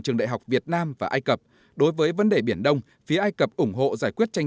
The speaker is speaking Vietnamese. trường đại học việt nam và ai cập đối với vấn đề biển đông phía ai cập ủng hộ giải quyết tranh